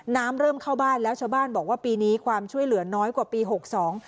น้ำเริ่มเข้าบ้านแล้วชาวบ้านบอกว่าปีนี้ความช่วยเหลือน้อยกว่าปีหกสอง